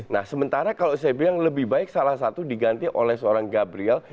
nah sementara kalau saya bilang lebih baik salah satu diganti oleh seorang gabriel